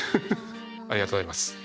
ありがとうございます。